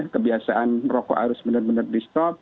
kebiasaan merokok harus benar benar di stop